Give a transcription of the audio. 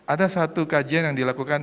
ada satu kajian yang dilakukan